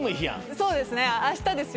そうですね明日ですよ。